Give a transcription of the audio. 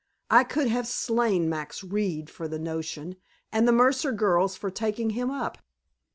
I could have slain Max Reed for the notion, and the Mercer girls for taking him up.